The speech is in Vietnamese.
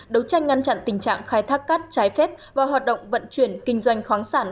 đấu tranh ngăn chặn tình trạng khai thác cát trái phép và hoạt động vận chuyển kinh doanh khoáng sản